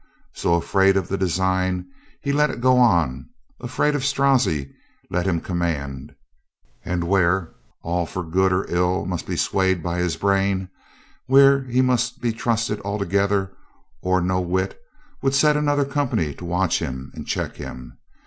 So, afraid of the design, he let it go on, afraid of Strozzi, let him command, and where all for good or ill must be swayed by his brain, where he must be trusted altogether or no whit, would set another company to watch him and check him.